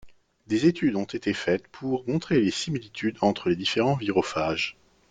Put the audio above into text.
Des études ont été faites pour montrer les similitudes entre les différents virophages.